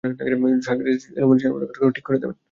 Psychiatrist সেই এলোমেলো মাথা ঠিক করে দেবেন।